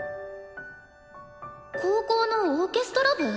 高校のオーケストラ部？